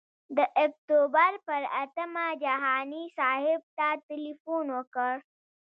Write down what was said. د اکتوبر پر اتمه جهاني صاحب ته تیلفون وکړ.